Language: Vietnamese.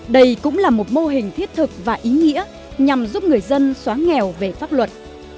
đây cũng là một mô hình thiết thực và ý nghĩa nhằm giúp người dân xóa nghèo về pháp luật